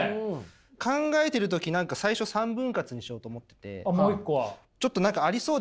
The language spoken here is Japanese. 考えてる時何か最初３分割にしようと思ってて。